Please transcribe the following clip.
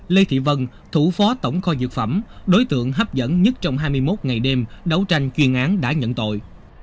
lê thị vân thủ phó tổng kho dược phẩm đối tượng hấp dẫn nhất trong hai mươi một ngày đêm đấu tranh chuyên án đã nhận tội